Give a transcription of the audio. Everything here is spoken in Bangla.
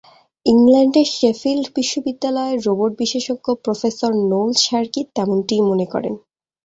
ইংল্যান্ডের শেফিল্ড বিশ্ববিদ্যালয়ের রোবট বিশেষজ্ঞ প্রফেসর নোল শার্কি তেমনটিই মনে করেন।